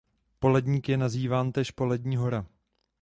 Poledník je nazýván též Polední hora.